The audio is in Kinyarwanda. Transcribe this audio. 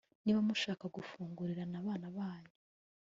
niba mushaka gufungirana abana banyu